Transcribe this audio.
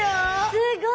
鱗すごい。